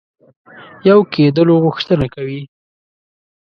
یو کېدلو غوښتنه کوي.